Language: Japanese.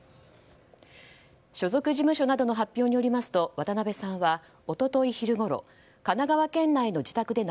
所属事務所などの発表によりますと渡辺さんは一昨日昼ごろ神奈川県内の自宅で